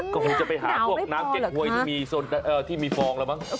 ก็คงจะไปหาพวกน้ำเก็ดหวยที่มีฟองแล้วมั้งน้ำไม่พอเหรอคะ